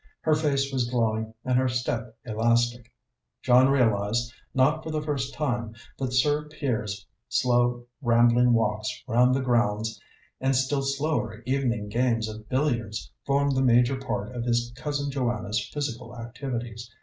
Her face was glowing and her step elastic. John realized, not for the first time, that Sir Piers's slow, rambling walks round the grounds and still slower evening games of billiards formed the major part of his Cousin Joanna's physical activities.